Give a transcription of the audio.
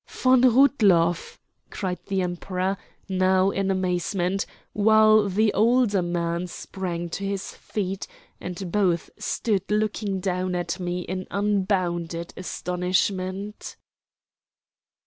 "Von Rudloff?" cried the Emperor, now in amazement, while the older man sprang to his feet, and both stood looking down at me in unbounded astonishment.